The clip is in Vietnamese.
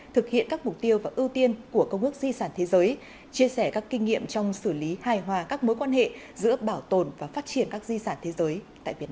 thực hiện các mục tiêu và ưu tiên của công ước di sản thế giới chia sẻ các kinh nghiệm trong xử lý hài hòa các mối quan hệ giữa bảo tồn và phát triển các di sản thế giới tại việt nam